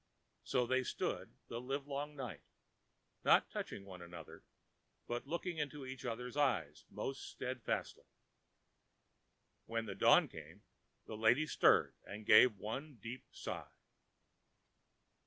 So they stood the live long night, not touching one another but looking into each otherãs eyes most steadfastly. When dawn came, the lady stirred and gave one deep sigh.